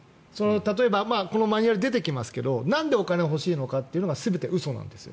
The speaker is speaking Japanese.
例えばこのマニュアル、出てきますがなんでお金を欲しいのかというのが全部嘘なんですよ。